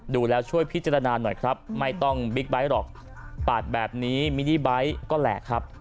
ดูแล้วช่วยพิจารณาหน่อยครับไม่ต้องบิ๊กไบท์หรอกปาดแบบนี้มินิไบท์ก็แหลกครับ